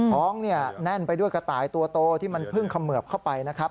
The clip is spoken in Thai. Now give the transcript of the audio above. ท้องเนี่ยแน่นไปด้วยกระต่ายตัวโตที่มันเพิ่งเขมือบเข้าไปนะครับ